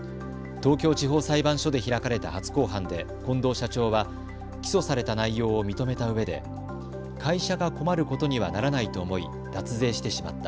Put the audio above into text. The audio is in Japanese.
東京地方裁判所で開かれた初公判で近藤社長は起訴された内容を認めたうえで会社が困ることにはならないと思い脱税してしまった。